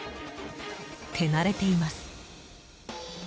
手慣れています。